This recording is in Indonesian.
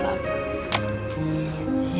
ya sayang yuk